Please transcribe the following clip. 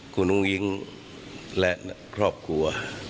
คุณอุ้งอิ๊งและครอบครัว